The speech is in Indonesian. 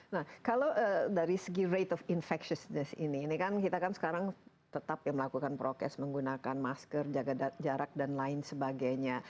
nah kalau dari segi rate of infectiousness ini ini kan kita kan sekarang tetap ya melakukan prokes menggunakan masker jaga jarak dan lain sebagainya